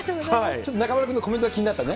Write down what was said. ちょっと中丸君のコメントが気になったね。